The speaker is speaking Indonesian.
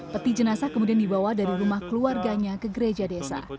peti jenazah kemudian dibawa dari rumah keluarganya ke gereja desa